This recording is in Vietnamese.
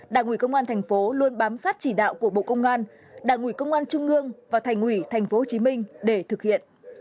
đảng ủy công an thành phố luôn bám sát chỉ đạo của bộ công an đảng ủy công an trung ương và thành ủy tp hcm để thực hiện